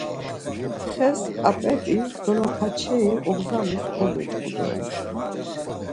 Xes ǩap̌et̆i dolokaçeri ogzalus kogyoç̌ǩu doren.